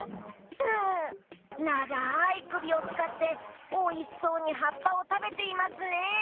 うんながいくびをつかっておいしそうにはっぱをたべていますね。